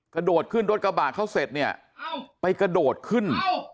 กระโดดขึ้นรถกระบะเขาเสร็จเนี่ยไปกระโดดขึ้น